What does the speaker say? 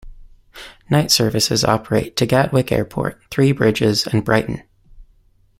Night services operate to Gatwick Airport, Three Bridges and Brighton.